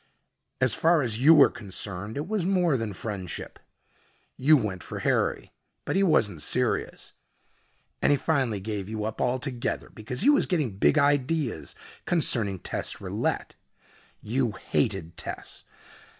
"As far as you were concerned, it was more than friendship. You went for Harry. But he wasn't serious. And he finally gave you up altogether because he was getting big ideas concerning Tess Rillette. You hated Tess.